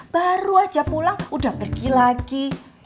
baru aja pulang udah pergi lagi